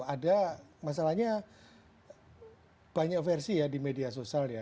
ada masalahnya banyak versi ya di media sosial ya